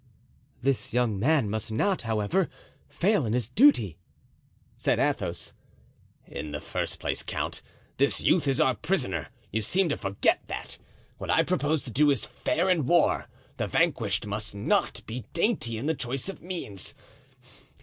"This young man must not, however, fail in his duty," said Athos. "In the first place, count, this youth is our prisoner; you seem to forget that. What I propose to do is fair in war; the vanquished must not be dainty in the choice of means.